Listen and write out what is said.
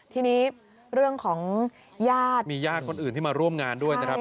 ทีนี้เรื่องของญาติมีญาติคนอื่นที่มาร่วมงานด้วยนะครับ